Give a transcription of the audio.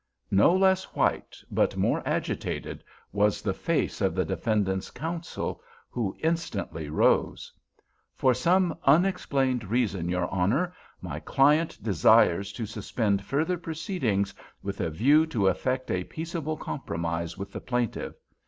No less white, but more agitated, was the face of the defendant's counsel, who instantly rose. "For some unexplained reason, your Honor, my client desires to suspend further proceedings, with a view to effect a peaceable compromise with the plaintiff.